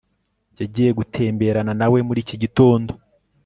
yagiye gutemberana nawe muri iki gitondo